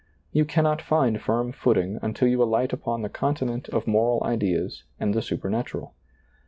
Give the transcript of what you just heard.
You cannot find firm footing until you alight upon the continent of moral ideas and the supernatural.